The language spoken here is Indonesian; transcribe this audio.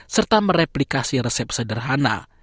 serta mereplikasi resep sederhana